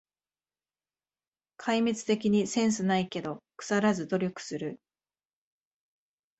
壊滅的にセンスないけど、くさらず努力する